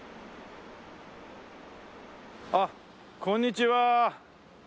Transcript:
あっこんにちは。